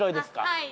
はい。